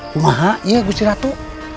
rumahak ya gusti ratu